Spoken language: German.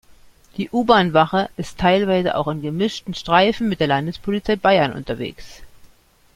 Die U-Bahn-Wache ist teilweise auch in gemischten Streifen mit der Landespolizei Bayern unterwegs.